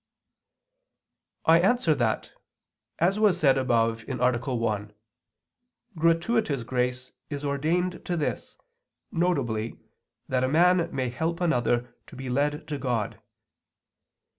I answer that, As was said above (A. 1), gratuitous grace is ordained to this, viz. that a man may help another to be led to God.